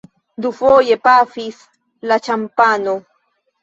Dufoje pafis la ĉampano.